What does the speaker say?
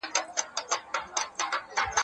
زه به سبا کتاب وليکم!.!.